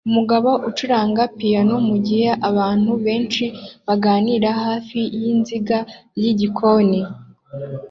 Umugabo acuranga piyano mugihe abantu benshi baganira hafi yizinga ryigikoni